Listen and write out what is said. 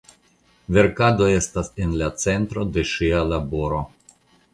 Verkado estas en la centro de ŝia laboro.